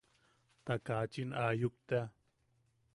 Ta kachin aayuk tea.